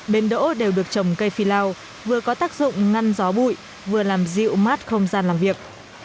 bến đỗ đều được trồng cây phi lao vừa có tác dụng ngăn gió bụi vừa làm dịu mát không gian làm việc